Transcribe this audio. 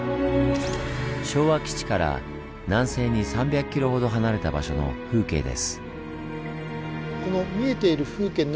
昭和基地から南西に３００ｋｍほど離れた場所の風景です。